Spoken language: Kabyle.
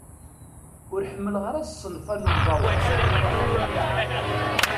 Ur ḥemmleɣ ara ṣṣenf-a n uẓawan.